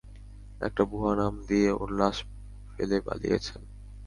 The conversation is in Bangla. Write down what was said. একটা ভুয়া নাম দিয়ে, ওর লাশ ফেলে পালিয়েছেন।